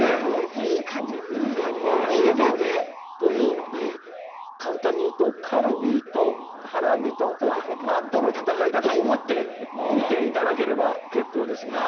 いい感じ？というので簡単に言うとカルビとハラミととの戦いだと思って見て頂ければ結構ですが。